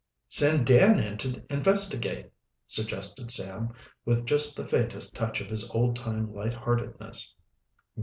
"Send Dan in to investigate," suggested Sam, with just the faintest touch of his old time light heartedness.